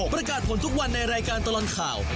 ประกาศผลทุกวันในรายการตลอดข่าว